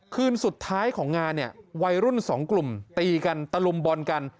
คืนสุดท้ายของงานเนี่ยวัยรุ่นสองกลุ่มตีกันตะลุมบอลกัน